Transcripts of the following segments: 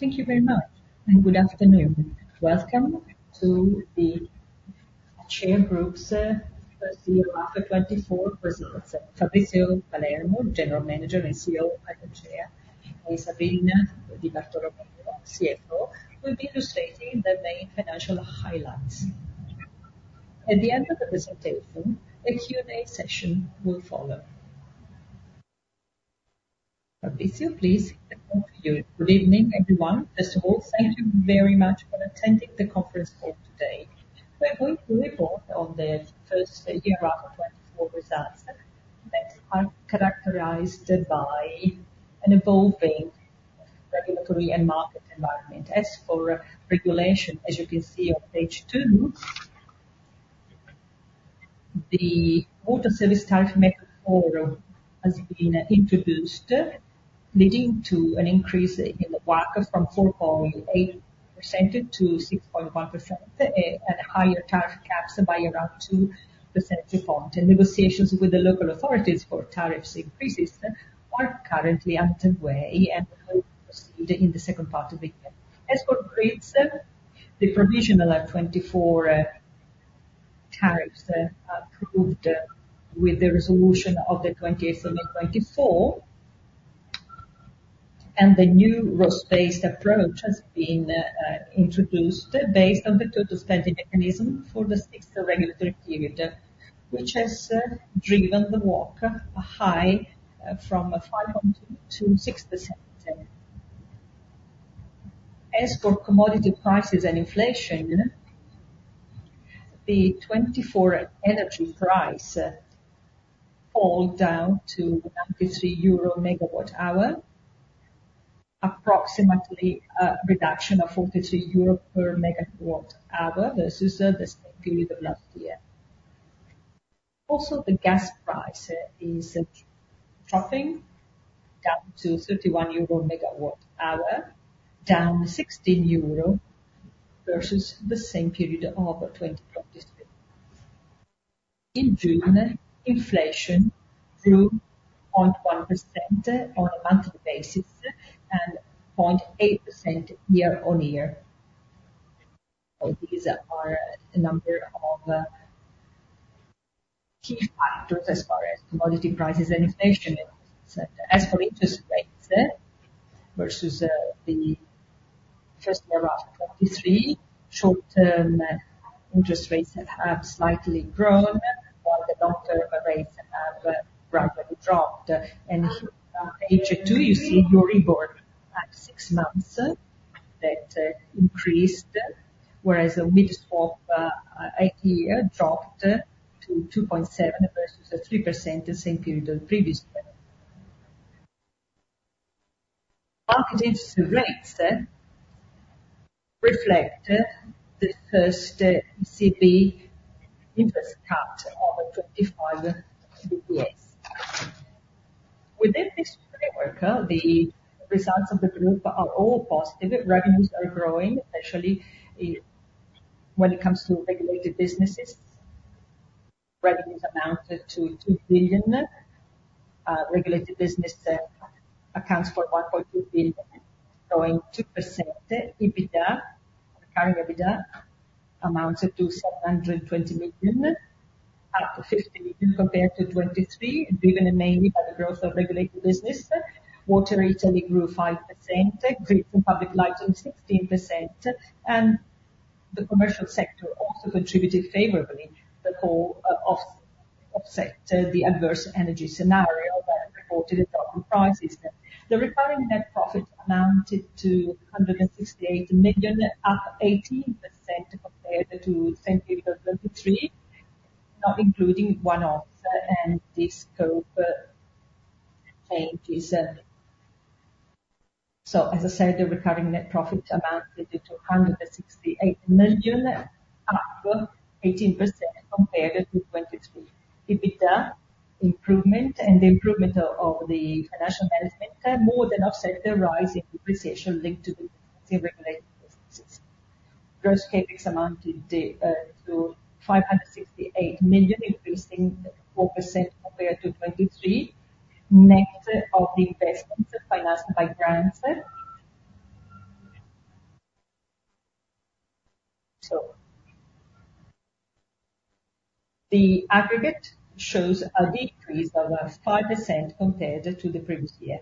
Thank you very much, and good afternoon. Welcome to the Acea Group's first half of 2024 presentation. Fabrizio Palermo, General Manager and CEO of Acea, and Sabrina Di Bartolomeo, CFO, will be illustrating the main financial highlights. At the end of the presentation, a Q&A session will follow. Fabrizio, please, over to you. Good evening, everyone. First of all, thank you very much for attending the conference call today. We're reporting on the first half year of 2024 results that are characterized by an evolving regulatory and market environment. As for regulation, as you can see on page two, the water service tariff method for MT4 has been introduced, leading to an increase in the WACC from 4.8% to 6.1%, and higher tariff caps by around 2% ahead, and negotiations with the local authorities for tariff increases are currently underway and will proceed in the second part of the year. As for grids, the provisional 2024 tariffs are approved with the resolution of the May 20, 2024, and the new ROSS-based approach has been introduced based on the total spending mechanism for the sixth regulatory period, which has driven the WACC higher from 5% to 6%. As for commodity prices and inflation, the 2024 energy price fell down to 93 euro per MWh, approximately a reduction of 42 euro per MWh versus the same period of last year. Also, the gas price is dropping down to 31 euro per MWh, down 16 euro versus the same period of 2023. In June, inflation grew 0.1% on a monthly basis and 0.8% year-on-year. So these are a number of key factors as far as commodity prices and inflation is concerned. As for interest rates versus the first half of 2023, short-term interest rates have slightly grown, while the long-term rates have rapidly dropped. Page two, you see Euribor at 6 months, that increased, whereas the Mid-Swap has dropped to 2.7% versus 3% the same period the previous year. Market interest rates reflect the first ECB interest cut of 25 basis points. Within this framework, the results of the group are all positive. Revenues are growing, especially when it comes to regulated businesses. Revenues amounted to 2 billion, regulated business accounts for 1.2 billion, growing 2%. EBITDA, recurring EBITDA, amounted to 720 million, up 50 million compared to 2023, driven mainly by the growth of regulated business. Water Italy grew 5%, Grids and Public Lighting 16%, and the Commercial sector also contributed favorably, but all offset the adverse energy scenario that reported a drop in prices. The recurring net profit amounted to 168 million, up 18% compared to same period 2023, not including one-off and the scope changes. As I said, the recurring net profit amounted to 168 million, up 18% compared to 2023. EBITDA improvement and the improvement of the financial management more than offset the rise in depreciation linked to the regulated businesses. Gross CapEx amounted to 568 million, increasing 4% compared to 2023, net of the investments financed by grants. The aggregate shows a decrease of around 5% compared to the previous year.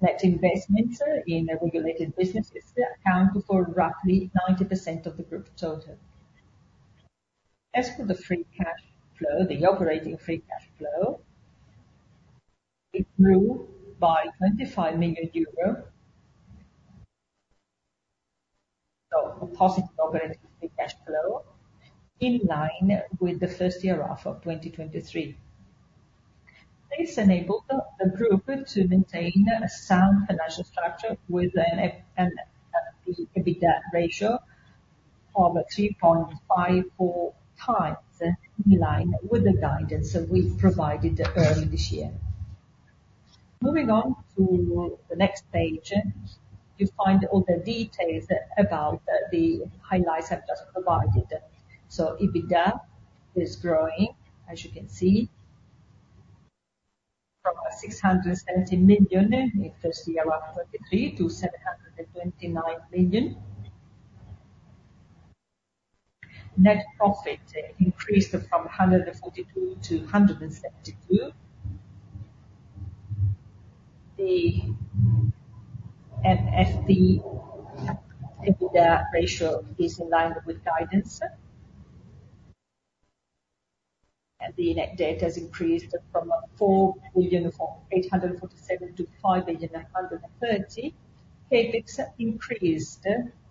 Net investments in regulated businesses account for roughly 90% of the group total. As for the free cash flow, the operating free cash flow, it grew by EUR 25 million. A positive operating free cash flow, in line with the first half of 2023. This enabled the group to maintain a sound financial structure with an EBITDA ratio of 3.54x, in line with the guidance that we provided early this year. Moving on to the next page, you find all the details about the highlights I've just provided. EBITDA is growing, as you can see, from 670 million in the first year of 2023, to 729 million. Net profit increased from 142 million to 172 million. The NFP EBITDA ratio is in line with guidance, and the net debt has increased from 4.847 billion to 5.130 billion. CapEx increased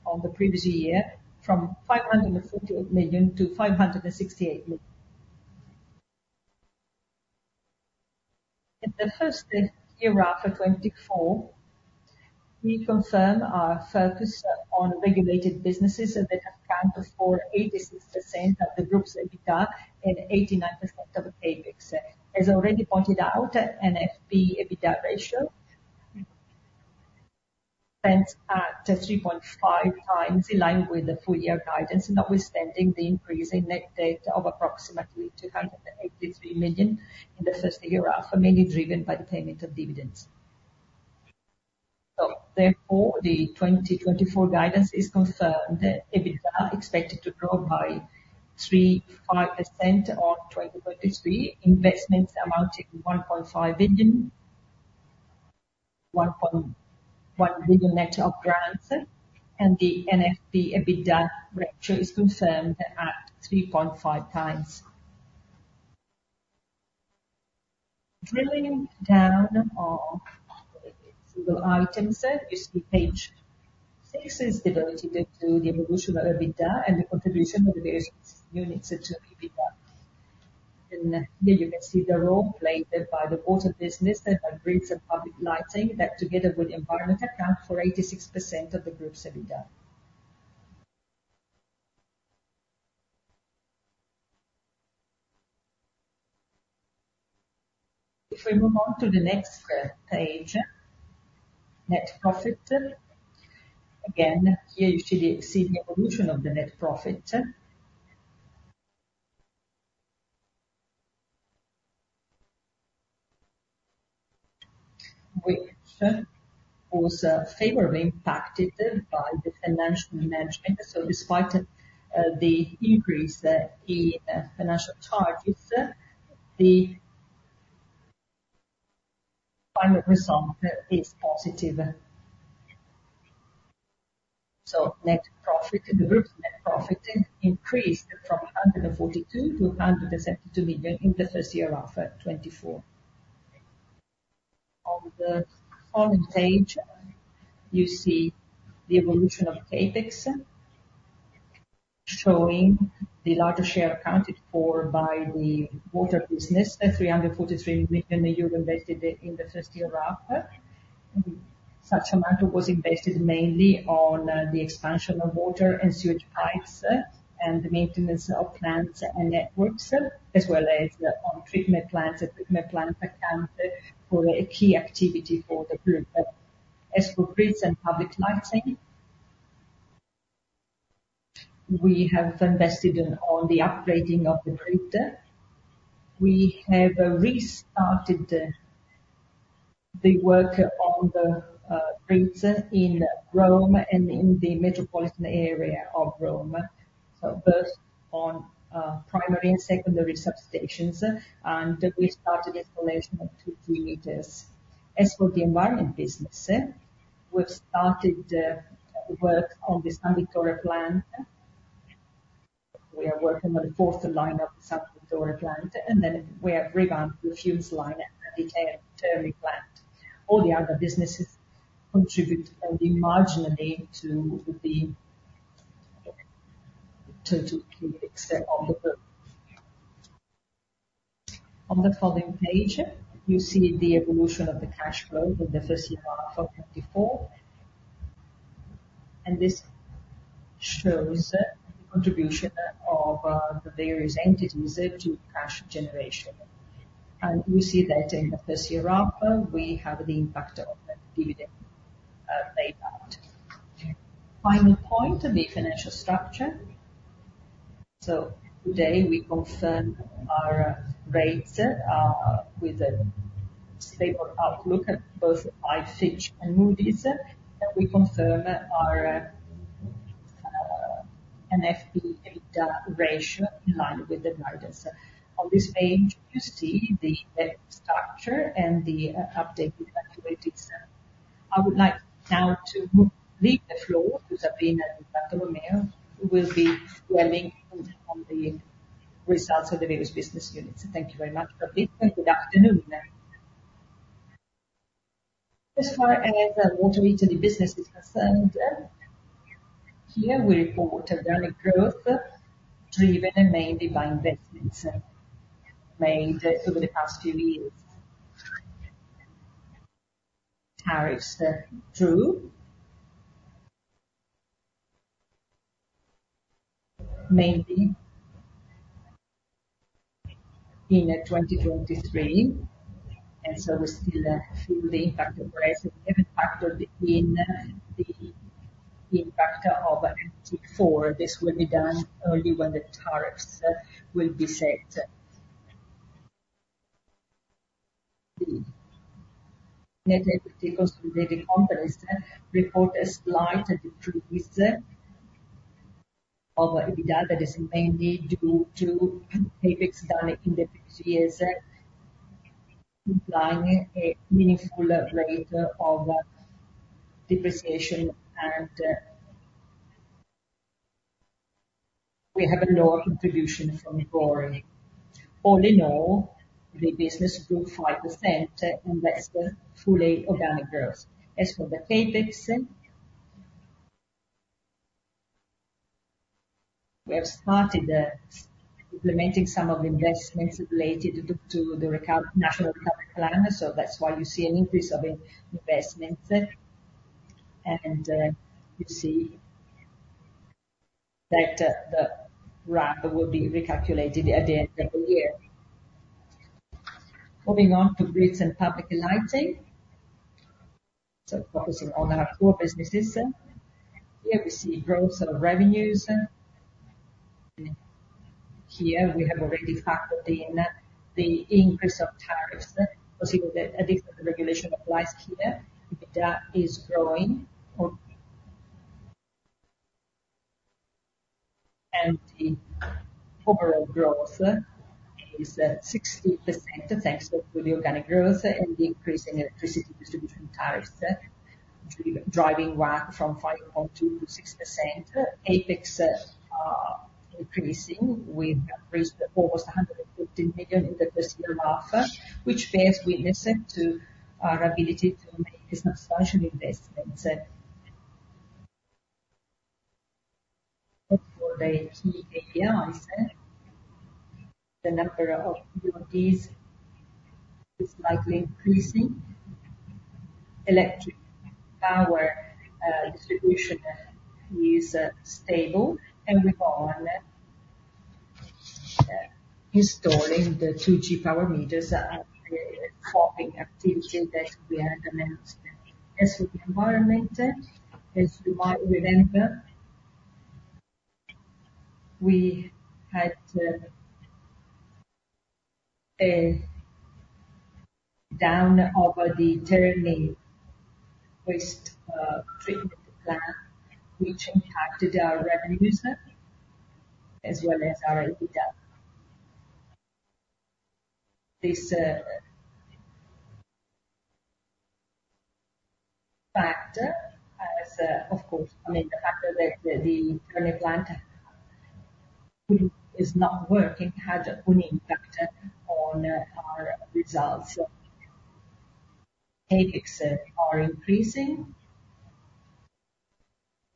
on the previous year, from 548 million to 568 million. In the first half year of 2024, we confirm our focus on regulated businesses that account for 86% of the group's EBITDA, and 89% of CapEx. As already pointed out, NFP EBITDA ratio stands at 3.5x, in line with the full year guidance, notwithstanding the increase in net debt of approximately 283 million in the first year, mainly driven by the payment of dividends. So therefore, the 2024 guidance is confirmed. EBITDA expected to grow by 3.5% on 2023. Investments amounting to 1.5 billion, 1.1 billion net of grants, and the NFP EBITDA ratio is confirmed at 3.5x. Drilling down on single items, you see page six is dedicated to the evolution of EBITDA and the contribution of the various units to EBITDA. There you can see the role played by the water business and by grids and public lighting, that together with environment, account for 86% of the group's EBITDA. If we move on to the next page, net profit. Again, here you see the evolution of the net profit, which was favorably impacted by the financial management. So despite the increase in financial charges, the final result is positive. So net profit, the group's net profit, increased from 142 million to 172 million in the first half of 2024. On the following page, you see the evolution of CapEx, showing the largest share accounted for by the water business, at 343 million euro invested in the first half of 2024. Such amount was invested mainly on the expansion of water and sewage pipes, and the maintenance of plants and networks, as well as on treatment plants. Treatment plants account for a key activity for the group. As for grids and public lighting, we have invested on the upgrading of the grid. We have restarted the work on the grids in Rome and in the metropolitan area of Rome. So first on primary and secondary substations, and we started installation of 2G meters. As for the environment business, we've started work on the San Vittore plant. We are working on the fourth line of San Vittore plant, and then we have revamped the fumes line at the Terni plant. All the other businesses contribute only marginally to the total CapEx of the group. On the following page, you see the evolution of the cash flow in the first half of 2024, and this shows the contribution of the various entities to cash generation. We see that in the first half, we have the impact of dividend paid out. Final point on the financial structure. Today, we confirm our rating with a stable outlook, both by Fitch and Moody's. We confirm our NFP EBITDA ratio in line with the guidance. On this page, you see the debt structure and the updated activities. I would like now to leave the floor to Sabrina Di Bartolomeo, who will be dwelling on the results of the various business units. Thank you very much, and good afternoon. As far as our Water Italy business is concerned, here we report organic growth, driven mainly by investments made over the past few years. Tariffs grew, mainly in 2023, and so we still feel the impact of ARERA and factor in the impact of MT4. This will be done only when the tariffs will be set. The net equity consolidated companies report a slight decrease of EBITDA. That is mainly due to CapEx done in the previous years, implying a meaningful rate of depreciation, and we have a lower contribution from Gori. All in all, the business grew 5%, and that's the fully organic growth. As for the CapEx, we have started implementing some of the investments related to the national recovery plan, so that's why you see an increase of investments, and you see that the ramp will be recalculated at the end of the year. Moving on to grids and public lighting, so focusing on our core businesses, here we see growth of revenues. Here, we have already factored in the increase of tariffs, because a different regulation applies here. EBITDA is growing, and the overall growth is 60%, thanks to the organic growth and the increase in electricity distribution tariffs driving growth from 5.2%-6%. CapEx increasing. We have raised almost 115 million in the first year half, which bears witness to our ability to make business-critical investments. As for the key KPIs, the number of utilities is slightly increasing. Electric power distribution is stable, and we are installing smart power meters, metering activity that we had announced. As for the environment, as you might remember, we had a downtime at the Terni waste treatment plant, which impacted our revenues as well as our EBITDA. This factor, as of course, I mean, the fact that the Terni plant is not working, had a full impact on our results. CapEx are increasing.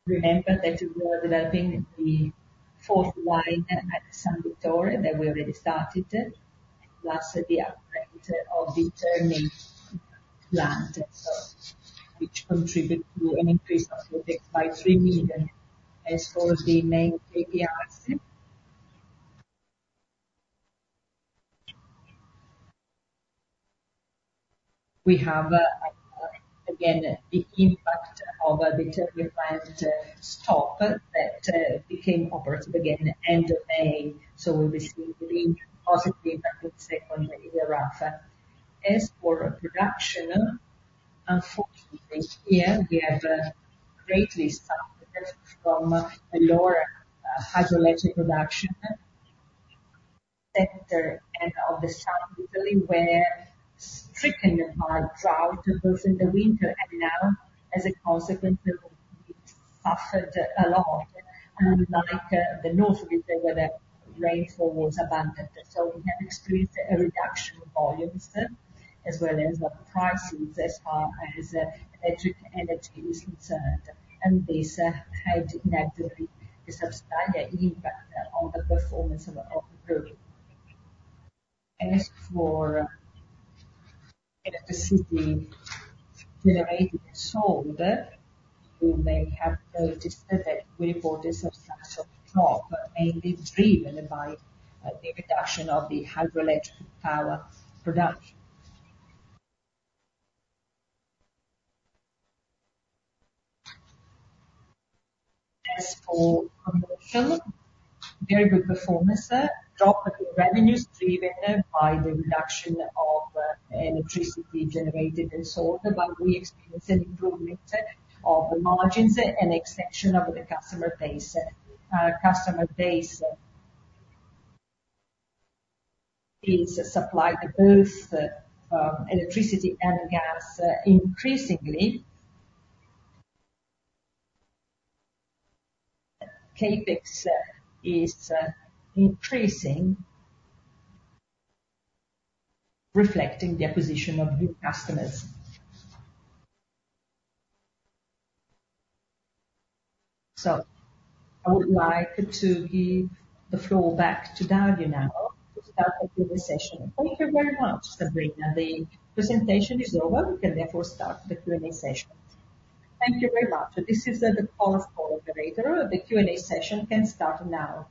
Remember that we are developing the fourth line at San Vittore, that we already started, plus the upgrade of the Terni plant, which contribute to an increase by 3 million. As for the main KPIs, we have, again, the impact of, the Terni plant stop, that became operative again end of May. So we'll be seeing the positive impact of the second year half. As for production, unfortunately, this year, we have greatly suffered from a lower, hydroelectric production center and of the South Italy, where stricken by drought, both in the winter and now, as a consequence, we suffered a lot, unlike, the North Italy, where the rainfall was abundant. So we have experienced a reduction in volumes, as well as the prices, as far as, electric energy is concerned. And this had negatively a substantial impact on the performance of, of the group. As for electricity generated and sold, you may have noticed that we reported a substantial drop, mainly driven by the reduction of the hydroelectric power production. As for commercial, very good performance, drop in revenues driven by the reduction of electricity generated and sold, but we experienced an improvement of the margins and expansion of the customer base. Customer base is supplying both electricity and gas increasingly. CapEx is increasing, reflecting the acquisition of new customers. So I would like to give the floor back to Dario now, to start the Q&A session. Thank you very much, Sabrina. The presentation is over. We can therefore start the Q&A session. Thank you very much. So this is the conference call operator. The Q&A session can start now.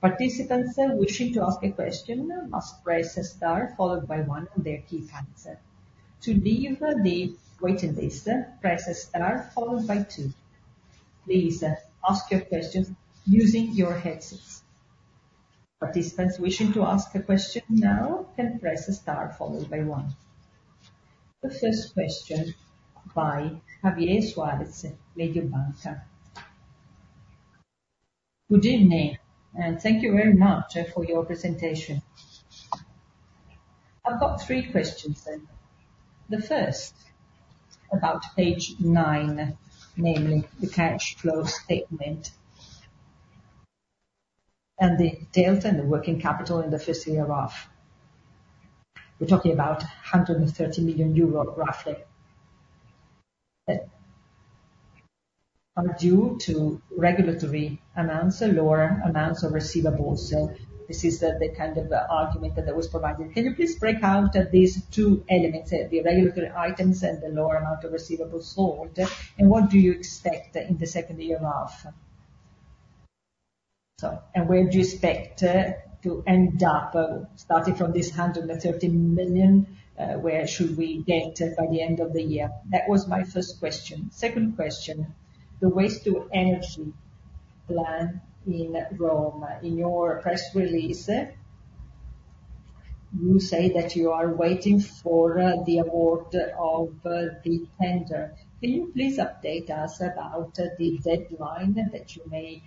Participants, wishing to ask a question must press star followed by one on their keypads. To leave the waiting list, press star followed by two. Please, ask your question using your headsets. Participants wishing to ask a question now, can press star followed by one. The first question by Javier Suarez, Mediobanca. Good evening, and thank you very much, for your presentation. I've got three questions then. The first, about page nine, namely the cash flow statement, and the delta in the working capital in the first half. We're talking about 130 million euro, roughly, are due to regulatory amounts or lower amounts of receivables. So this is the kind of argument that was provided. Can you please break out these two elements, the regulatory items and the lower amount of receivables held? What do you expect in the second half? So, where do you expect to end up, starting from this 130 million, where should we get by the end of the year? That was my first question. Second question, the waste to energy plan in Rome. In your press release, you say that you are waiting for the award of the tender. Can you please update us about the deadline that you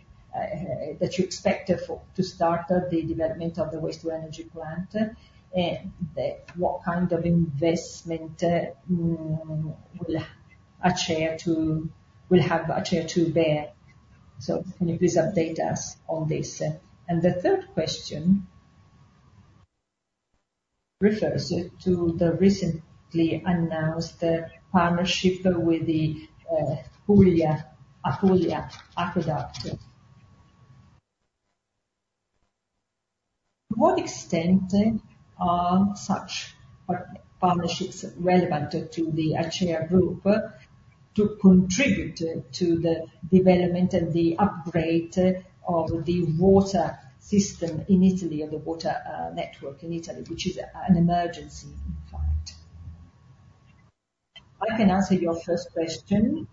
expect to start the development of the waste to energy plant? And, what kind of investment will Acea have to bear? Can you please update us on this? And the third question refers to the recently announced partnership with the Acquedotto Pugliese. To what extent are such partnerships relevant to the Acea Group, to contribute to the development and the upgrade of the water system in Italy, of the water network in Italy, which is an emergency in fact? I can answer your first question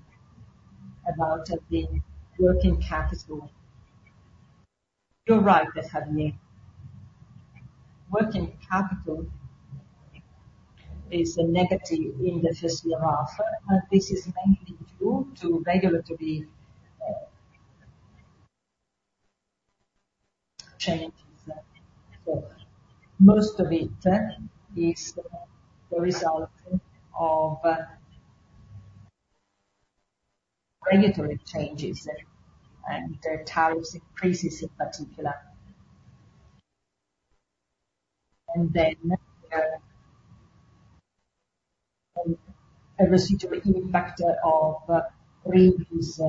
about the working capital. You're right, Javier. Working capital is a negative in the first half this is mainly due to regulatory changes. So most of it is the result of regulatory changes, and tariff increases in particular. And then a residual impact of previous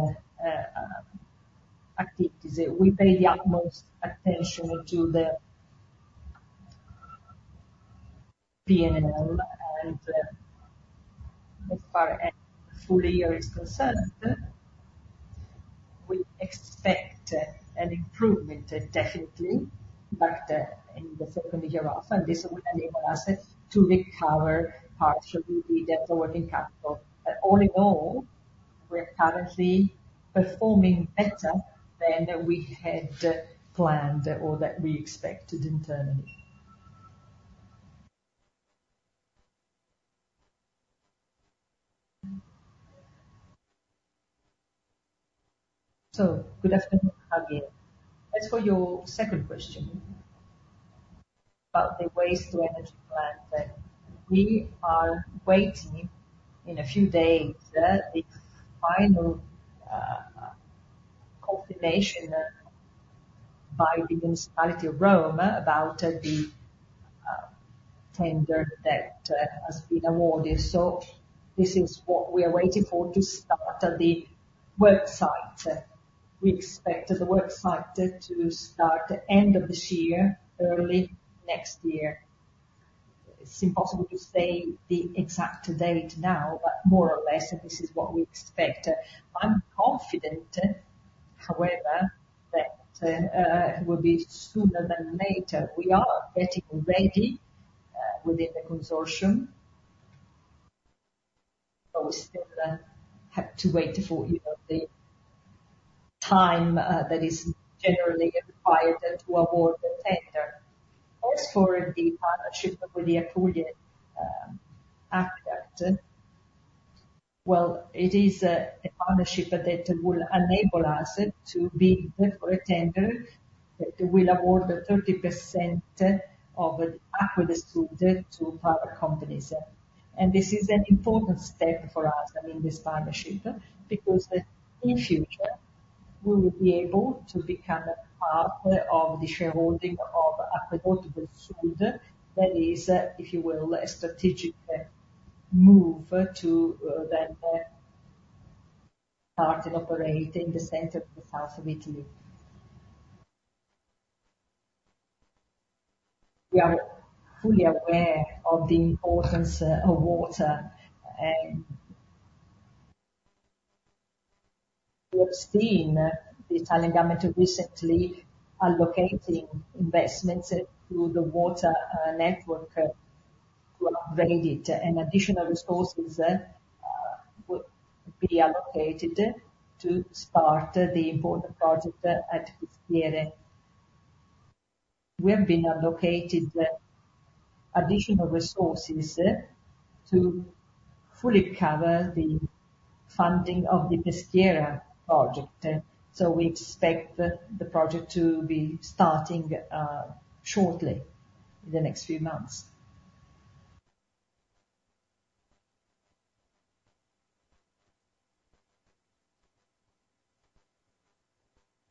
activities. We pay the utmost attention to the P&L, and as far as full year is concerned, we expect an improvement definitely, but in the second half, and this will enable us to recover parts of the net working capital. But all in all, we're currently performing better than we had planned or that we expected in turn. So good afternoon, Javier. As for your second question, about the waste to energy plan, we are waiting, in a few days, the final confirmation by the municipality of Rome, about the tender that has been awarded. So this is what we are waiting for, to start up the WTE. We expect the WTE to start end of this year, early next year. It's impossible to say the exact date now, but more or less, this is what we expect. I'm confident, however, that it will be sooner than later. We are getting ready within the consortium, but we still have to wait for, you know, the time that is generally required to award the tender. As for the partnership with the Acquedotto Pugliese, well, it is a partnership that will enable us to bid for a tender that will award 30% of aqueduct to power companies. This is an important step for us, I mean, this partnership, because in future, we will be able to become a part of the shareholding of Acque del Sud. That is, if you will, a strategic move to then start to operate in the center and south of Italy. We are fully aware of the importance of water, and we have seen the Italian government recently allocating investments to the water network to upgrade it, and additional resources will be allocated to start the important project at Peschiera. We have been allocated additional resources to fully cover the funding of the Peschiera project, so we expect the project to be starting shortly in the next few months.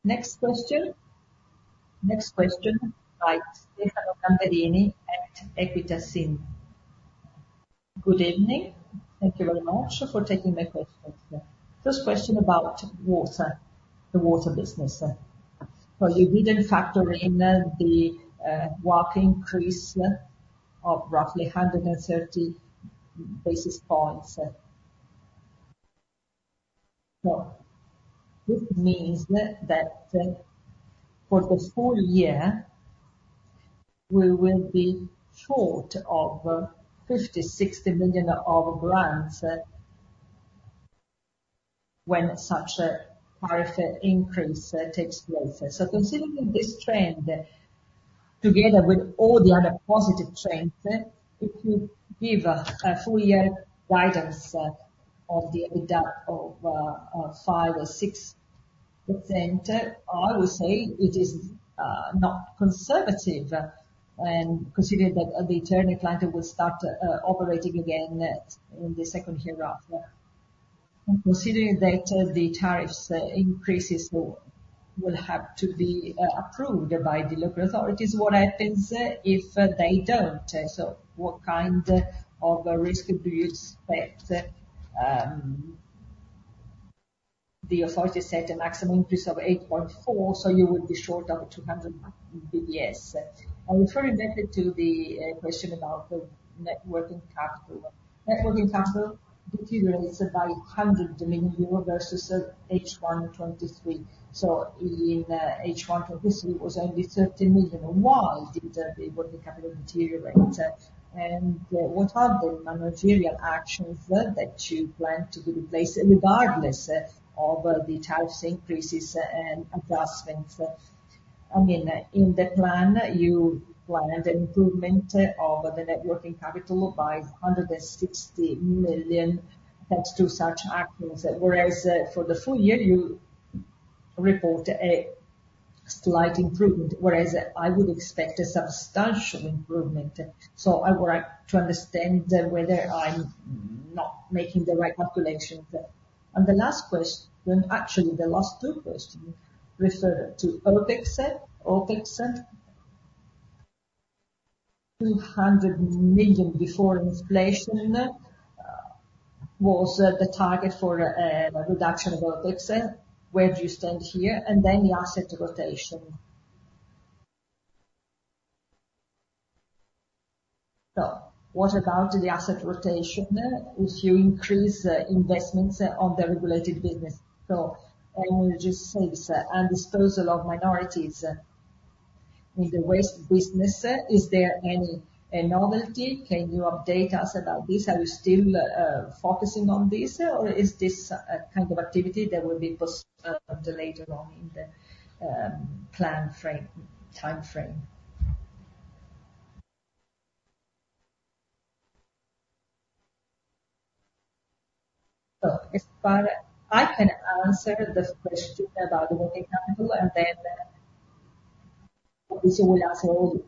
Next question. Next question by Stefano Gamberini at Equita SIM. Good evening. Thank you very much for taking my question. First question about water, the water business. Well, you didn't factor in the WACC increase of roughly 130 basis points. So this means that for the full year, we will be short of 50 million-60 million of grants when such a tariff increase takes place. So considering this trend, together with all the other positive trends, it could give a full-year guidance of the EBITDA of 5%-6%. I would say it is not conservative, and considering that the Terni plant will start operating again in the second half. And considering that the tariffs increases will have to be approved by the local authorities, what happens if they don't? So what kind of risk do you expect? The authorities set a maximum increase of 8.4, so you would be short of 200 basis points. I refer then to the question about the net working capital. Net working capital deteriorated by EUR 100 million versus H1 2023. So in the H1 2023, it was only 30 million. Why did the working capital deteriorate? And what are the managerial actions that you plan to put in place, regardless of the tariff increases and adjustments? I mean, in the plan, you planned improvement of the net working capital by 160 million, thanks to such actions, whereas for the full year, you report a slight improvement, whereas I would expect a substantial improvement. So I would like to understand whether I'm not making the right calculations. And the last question, actually the last two questions, refer to OpEx. OpEx, EUR 200 million before inflation, was the target for a reduction of OpEx. Where do you stand here? And then the asset rotation. So what about the asset rotation if you increase investments on the regulated business? So I will just say, and disposal of minorities in the waste business, is there any novelty? Can you update us about this? Are you still focusing on this, or is this a kind of activity that will be post delayed along in the plan frame, time frame? So as far as I can answer this question about the working capital, and then obviously we'll answer all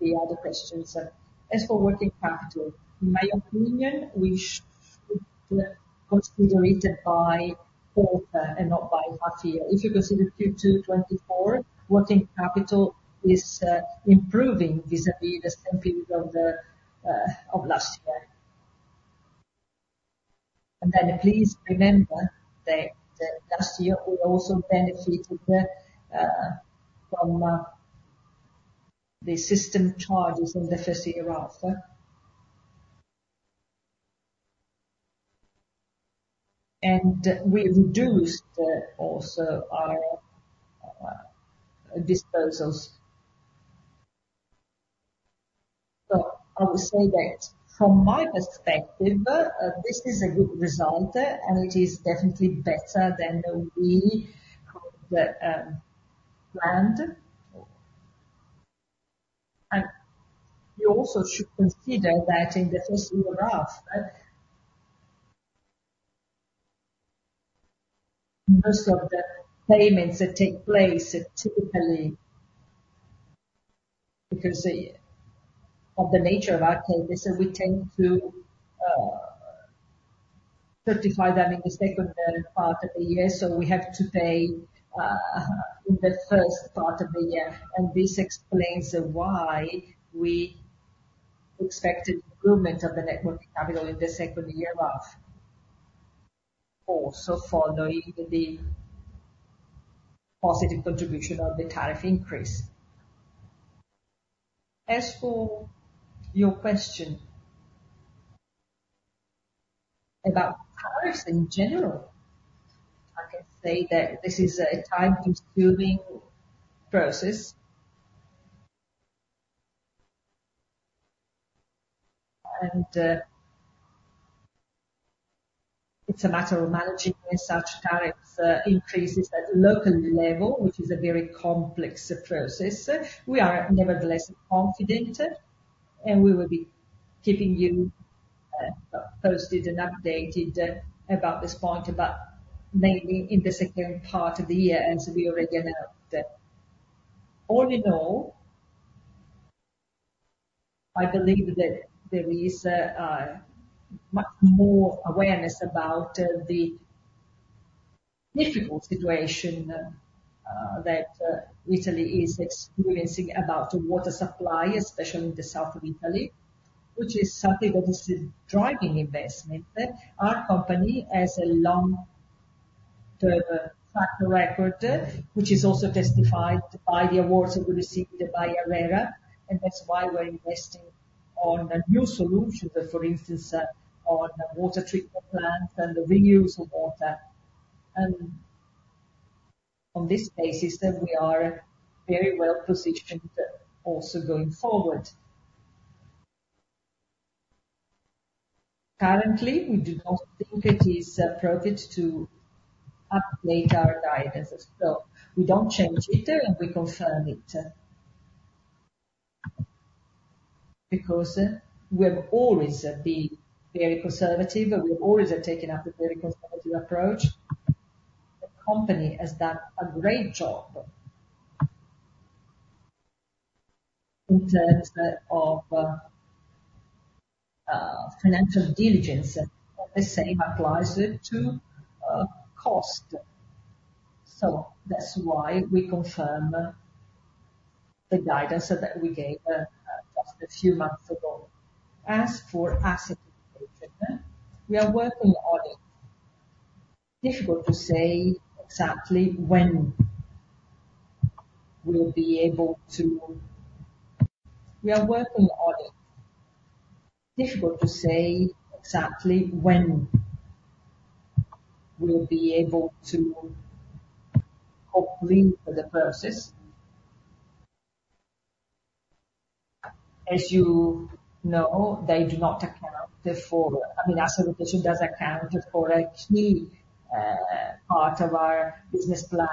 the other questions. As for working capital, in my opinion, we should consider it by quarter and not by half year. If you consider Q2 2024, working capital is improving vis-à-vis the same period of last year. And then please remember that last year, we also benefited from the system charges in the first half. And we reduced also our disposals. So I would say that from my perspective, this is a good result, and it is definitely better than we planned. You also should consider that in the first half, most of the payments that take place are typically, because of the nature of our business, we tend to certify them in the second part of the year, so we have to pay in the first part of the year, and this explains why we expected improvement of the Net Working Capital in the second half. Also, following the positive contribution of the tariff increase. As for your question about tariffs in general, I can say that this is a time-consuming process. It's a matter of managing such tariffs increases at local level, which is a very complex process. We are nevertheless confident, and we will be keeping you posted and updated about this point, about mainly in the second part of the year, as we already announced. All in all, I believe that there is much more awareness about the difficult situation that Italy is experiencing about the water supply, especially in the south of Italy, which is something that is driving investment. Our company has a long-term track record, which is also testified by the awards that we received by ARERA, and that's why we're investing on a new solution, but for instance, on a water treatment plant and the reuse of water, and on this basis, that we are very well positioned also going forward. Currently, we do not think it is appropriate to update our guidance, so we don't change it, and we confirm it because we have always been very conservative, and we always have taken up a very conservative approach. The company has done a great job in terms of financial diligence, and the same applies to cost. So that's why we confirm the guidance that we gave just a few months ago. As for asset rotation, we are working on it. Difficult to say exactly when we'll be able to. We are working on it. Difficult to say exactly when we'll be able to complete the process. As you know, they do not account for, I mean, asset rotation does account for a key part of our business plan.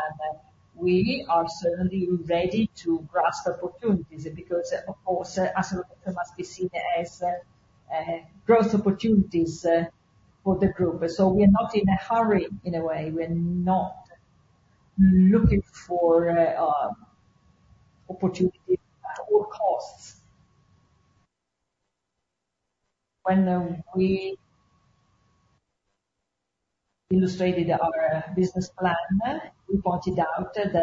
We are certainly ready to grasp opportunities, because, of course, asset rotation must be seen as growth opportunities for the group. So we are not in a hurry, in a way. We're not looking for opportunities at all costs. When we illustrated our business plan, we pointed out that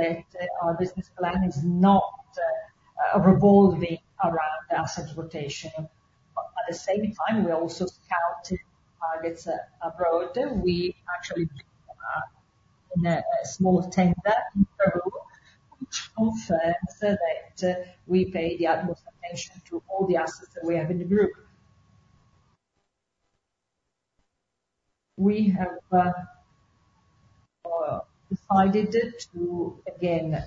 our business plan is not revolving around asset rotation. But at the same time, we also counted targets abroad. We actually in a small tender in Peru, which confirms that we pay the utmost attention to all the assets that we have in the group. We have decided to, again,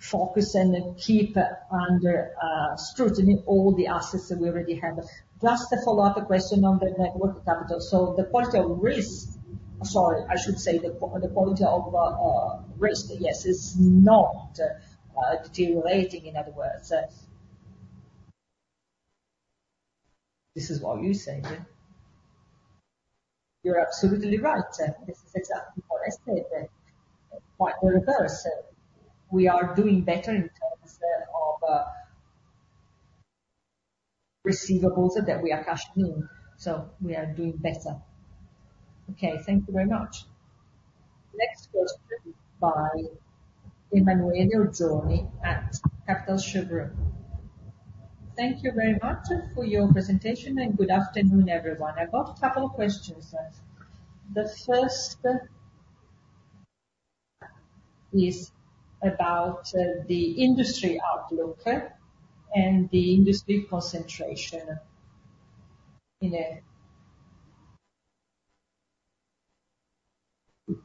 focus and then keep under scrutiny all the assets that we already have. Plus, the follow-up question on the Net Working Capital. So the quality of risk. Sorry, I should say, the quality of risk, yes, is not deteriorating, in other words. This is what you said. You're absolutely right. This is exactly what I said. Quite the reverse. We are doing better in terms of receivables that we are cashing in, so we are doing better. Okay, thank you very much. Next question by Emanuele Giorgi at Capital SGR. Thank you very much for your presentation, and good afternoon, everyone. I've got a couple of questions. The first is about the industry outlook and the industry concentration.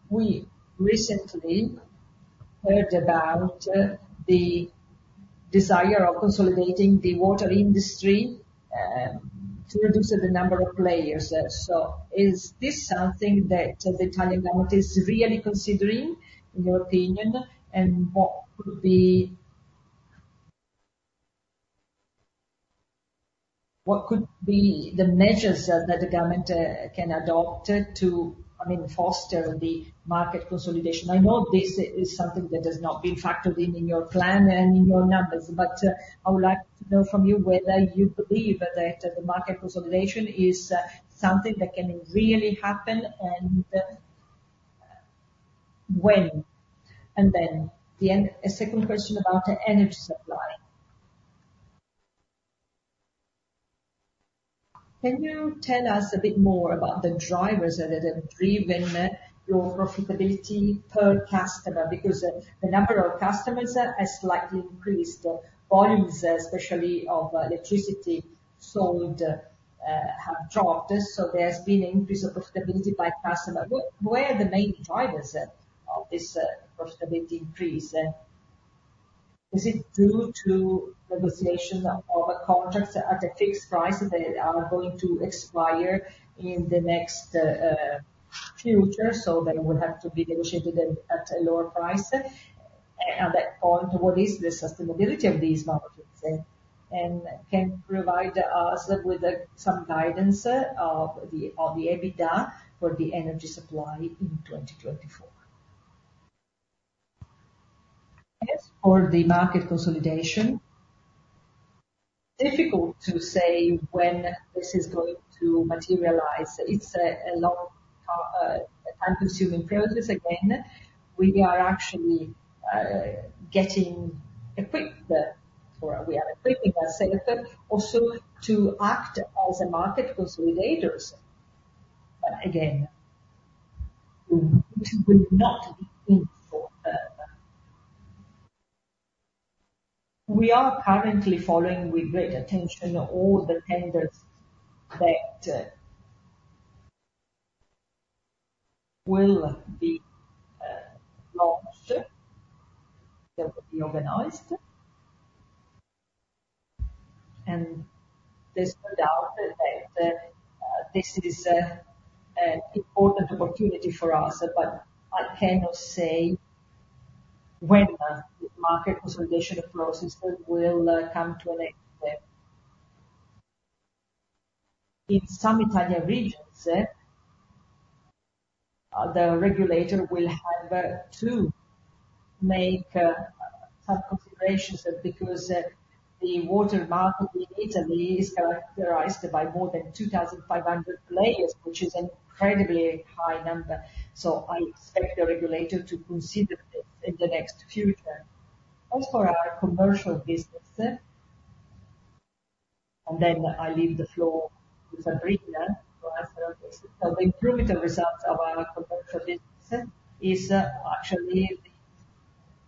We recently heard about the desire of consolidating the water industry to reduce the number of players. So is this something that the Italian government is really considering, in your opinion? And what could be the measures that the government can adopt to, I mean, foster the market consolidation? I know this is something that has not been factored in, in your plan and in your numbers, but, I would like to know from you whether you believe that the market consolidation is, something that can really happen, and, when? And then, the end, a second question about the energy supply. Can you tell us a bit more about the drivers that have driven, your profitability per customer? Because, the number of customers, has slightly increased. The volumes, especially of electricity sold, have dropped, so there's been an increase of profitability by customer. What were the main drivers, of this, profitability increase? Is it due to negotiation of, of contracts at a fixed price that are going to expire in the next, future, so they will have to be negotiated at, at a lower price? And at that point, what is the sustainability of these markets, and can you provide us with some guidance of the EBITDA for the energy supply in 2024? As for the market consolidation, difficult to say when this is going to materialize. It's a long time-consuming process. Again, we are actually getting equipped or we are equipping ourselves also to act as a market consolidator. But again, we would not be in for. We are currently following with great attention all the tenders that will be launched, that will be organized. And there's no doubt that this is an important opportunity for us, but I cannot say when the market consolidation process will come to an end. In some Italian regions, the regulator will have to make some configurations, because the water market in Italy is characterized by more than 2,500 players, which is an incredibly high number. So I expect the regulator to consider this in the next future. As for our commercial business, and then I leave the floor to Sabrina to answer this. So the improvement of results of our commercial business is actually the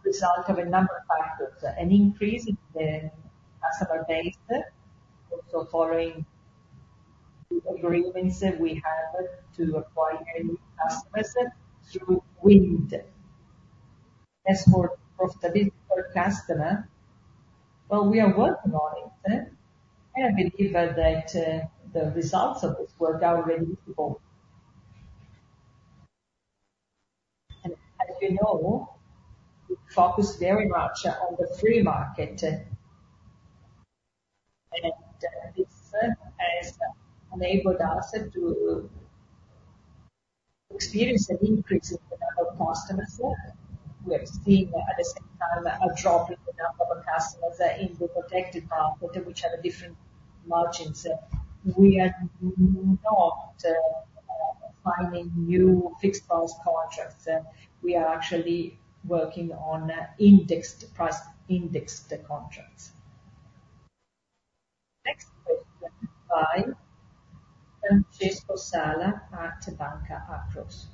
result of a number of factors. An increase in the customer base, also following the agreements that we have to acquire new customers through Wind. As for profitability per customer, well, we are working on it, and I believe that the results of this work are very visible. As you know, we focus very much on the free market, and this has enabled us to experience an increase in the number of customers. We are seeing, at the same time, a drop in the number of customers in the protected market, which have a different margins. We are not signing new fixed price contracts, we are actually working on indexed price, indexed contracts. Next question by Francesco Sala at Banca Akros.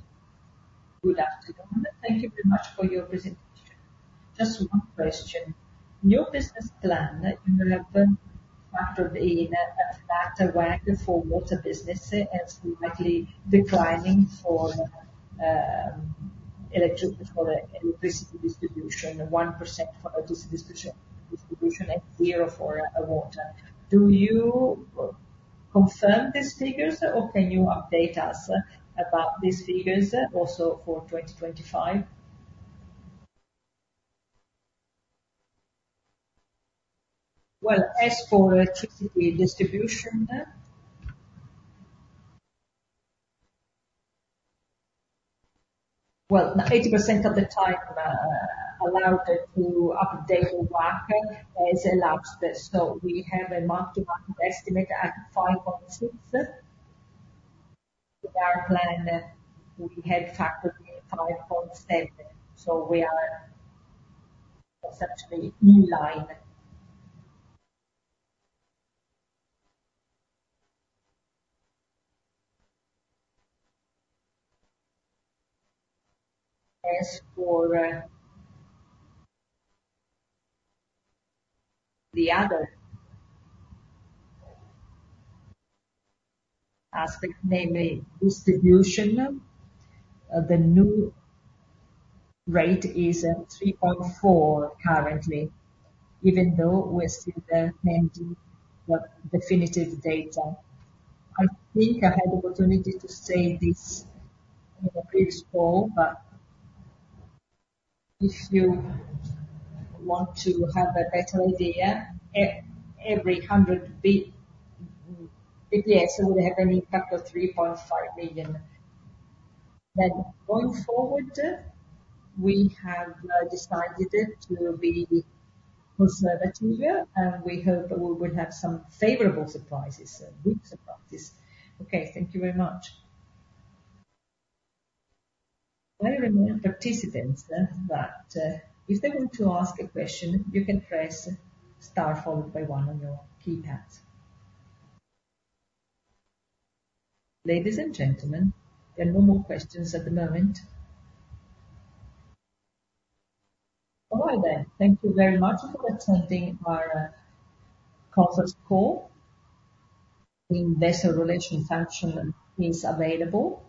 Good afternoon, and thank you very much for your presentation. Just one question: New business plan, you have been part of a faster WACC for water business, and slightly declining for electricity distribution, 1% for distribution, and 0% for water. Do you confirm these figures, or can you update us about these figures, also for 2025? Well, as for electricity distribution, well, 80% of the time allowed to update the market has elapsed. So we have a mark-to-market estimate at 5.6. In our plan, we had factored in 5.7, so we are essentially in line. As for the other aspect, namely distribution, the new rate is 3.4 currently, even though we're still pending the definitive data. I think I had the opportunity to say this in the previous call, but if you want to have a better idea, every hundred basis points will have an impact of 3.5 million. Then going forward, we have decided to be conservative, and we hope that we will have some favorable surprises, good surprises. Okay, thank you very much. I remind participants that if they want to ask a question, you can press Star followed by one on your keypads. Ladies and gentlemen, there are no more questions at the moment. All right, then. Thank you very much for attending our conference call. The Investor Relations function is available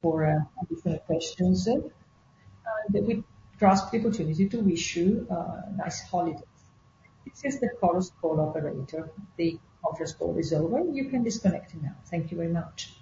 for additional questions, and we grasp the opportunity to wish you nice holidays. This is the conference call operator. The conference call is over. You can disconnect now. Thank you very much.